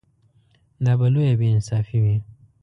دا به لویه بې انصافي وي.